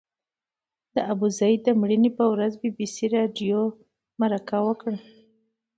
د ابوزید د مړینې پر ورځ بي بي سي راډیو مرکه وکړه.